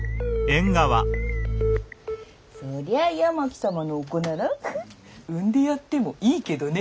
そりゃ八巻様のお子なら産んでやってもいいけどね。